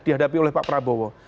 dihadapi oleh pak prabowo